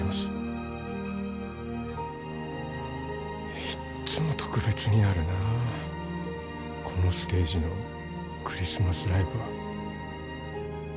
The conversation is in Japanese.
いっつも特別になるなあこのステージのクリスマスライブは。